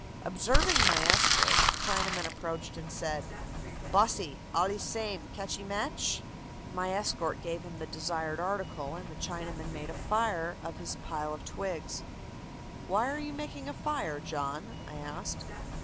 Observing my escort, the Chinaman approached and said: "'Bosse, alle same, catchee match?' "My escort gave him the desired article, and the Chinaman made a fire of his pile of twigs. 'Why are you making a fire, John?' I asked.